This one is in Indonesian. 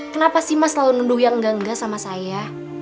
kenapa sih mas selalu nundu yang engga engga sama saya